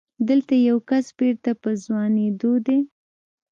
دلته يو کس بېرته په ځوانېدو دی.